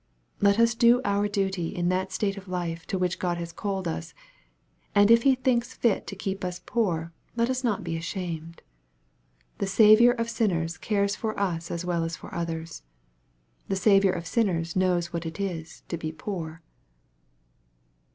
Let us do our duty in that state of life to which God has called us, and if He thinks fit to keep us poor let us not be ashamed. The Saviour of sinners cares for us as well as for othsrs. The Saviour of sinners knows what it is to be pooi.